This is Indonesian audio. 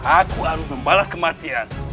aku harus membalas kematian